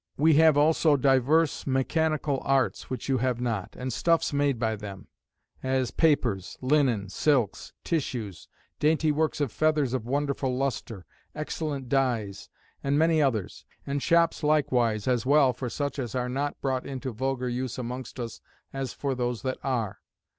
"We have also divers mechanical arts, which you have not; and stuffs made by them; as papers, linen, silks, tissues; dainty works of feathers of wonderful lustre; excellent dies, and, many others; and shops likewise, as well for such as are not brought into vulgar use amongst us as for those that are.